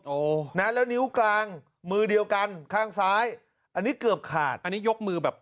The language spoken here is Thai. โอ้นะแล้วนิ้วกลางมือเดียวกันข้างซ้ายอันนี้เกือบขาดอันนี้ยกมือแบบ